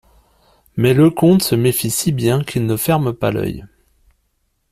Mais Leconte se méfie si bien qu'il ne ferme pas l'œil.